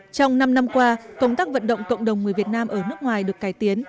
trong năm năm qua công tác vận động cộng đồng người việt nam ở nước ngoài được cải tiến